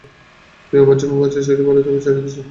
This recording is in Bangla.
তুই আমার জীবন বাঁচিয়েছিলি বলে তোকে ছেড়ে দিচ্ছি।